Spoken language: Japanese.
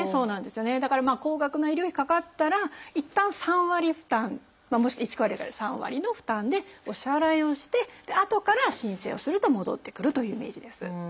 だから高額な医療費かかったらいったん３割負担もしくは１割から３割の負担でお支払いをしてあとから申請をすると戻ってくるというイメージです。